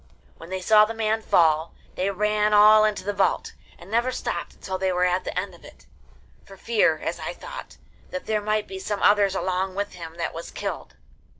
When they saw the man fall, they ran all into the vault, and never stopped until they were at the end of it, for fear, as I thought, that there might be some others along with him that was killed.